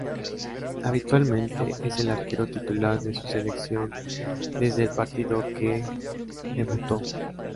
Habitualmente, es el arquero titular de su selección desde el partido en que debutó.